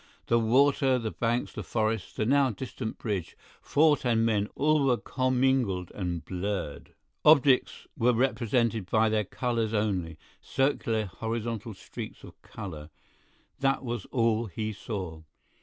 The water, the banks, the forests, the now distant bridge, fort and men, all were commingled and blurred. Objects were represented by their colors only; circular horizontal streaks of color—that was all he saw.